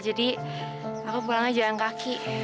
jadi aku pulang aja jalan kaki